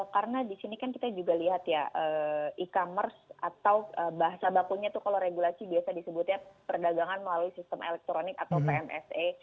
karena di sini kan kita juga lihat ya e commerce atau bahasa bakunya itu kalau regulasi biasa disebutnya perdagangan melalui sistem elektronik atau pmse